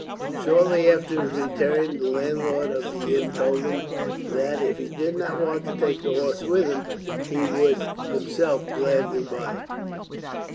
Shortly after his return, the landlord of the inn told him that, if he did not want to take the horse with him, he would himself gladly buy it.